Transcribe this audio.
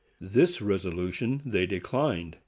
This resolution they declined.